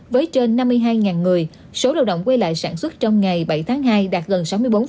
với trên năm mươi hai người số lao động quay lại sản xuất trong ngày bảy tháng hai đạt gần sáu mươi bốn